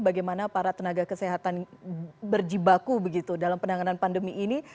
bagaimana para tenaga kesehatan berjibaku begitu dalam penanganan pandemi ini